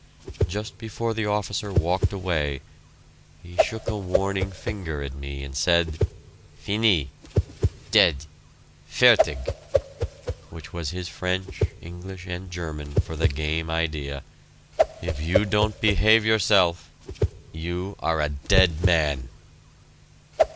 Just before the officer walked away, he shook a warning finger at me and said, "Fini dead fertig," which was his French, English, and German for the game idea: "If you don't behave yourself, you are a dead man!"